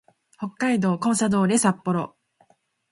北海道コンサドーレ札幌